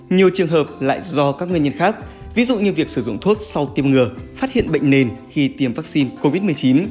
nhiều trường hợp lại do các nguyên nhân khác ví dụ như việc sử dụng thuốc sau tiêm ngừa phát hiện bệnh nền khi tiêm vaccine covid một mươi chín